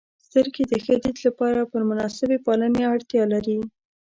• سترګې د ښه دید لپاره پر مناسبې پالنې اړتیا لري.